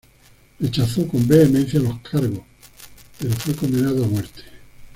Rechazó con vehemencia los cargos, pero fue condenado a muerte.